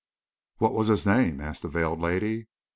"What was his name?" asked the veiled lady.